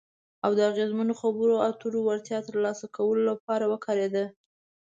او د اغیزمنو خبرو اترو وړتیا ترلاسه کولو لپاره وکارېده.